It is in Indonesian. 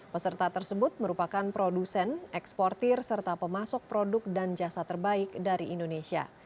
peserta tersebut merupakan produsen eksportir serta pemasok produk dan jasa terbaik dari indonesia